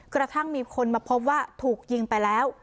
กระทั่งมีคนมาพบว่าถูกยิงไปแล้ว